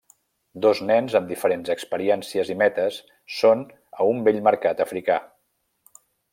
Dos nens amb diferents experiències i metes són a un vell mercat africà.